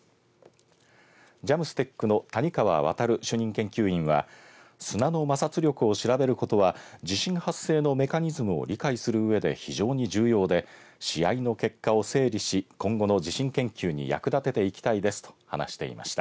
ＪＡＭＳＴＥＣの谷川亘主任研究員は砂の摩擦力を調べることは地震発生のメカニズムを理解するうえで非常に重要で試合の結果を整理し今後の地震研究に役立てていきたいですと話していました。